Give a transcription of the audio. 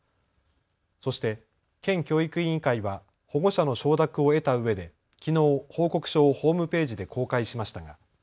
そして県教育委員会は保護者の承諾を得たうえできのう報告書をホームページで公開しました。